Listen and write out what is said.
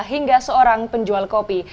hingga seorang penjual kopi